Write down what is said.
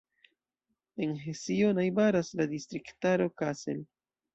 En Hesio najbaras la distriktaro Kassel.